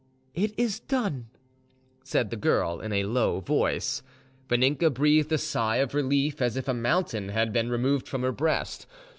"It is done," said the girl in a low voice. Vaninka breathed a sigh of relief, as if a mountain had been removed from her breast.